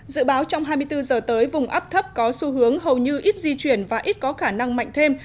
dự báo trong hai mươi bốn giờ tới vùng áp thấp có xu hướng hầu như ít di chuyển và ít có khả năng mạnh thêm